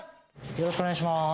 よろしくお願いします。